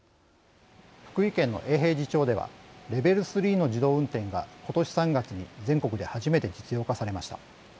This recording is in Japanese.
福井県の永平寺町ではレベル３の自動運転がことし３月に全国で初めて実用化されました。